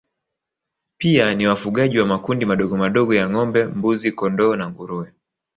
Pia ni wafugaji wa makundi madogomadogo ya ngombe mbuzi kondoo na nguruwe